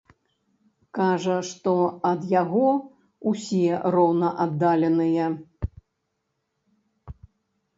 Кажа, што ад яго ўсе роўнааддаленыя.